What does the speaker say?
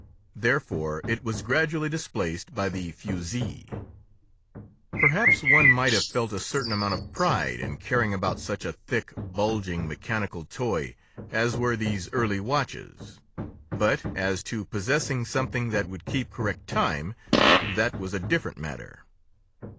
Therefore it was gradually displaced by the fusee. Perhaps one might have felt a certain amount of pride in carrying about such a thick, bulging mechanical toy, as were these early watches, but, as to possessing something that would keep correct time—that was a different matter.